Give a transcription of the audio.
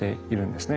ですよね。